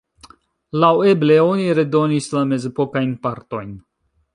Laŭeble oni redonis la mezepokajn partojn.